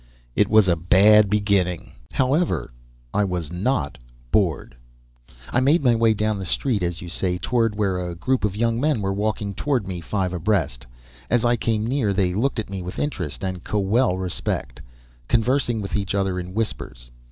It was a bad beginning! However, I was not bored. I made my way down the "street," as you say, toward where a group of young men were walking toward me, five abreast. As I came near, they looked at me with interest and kwel respect, conversing with each other in whispers.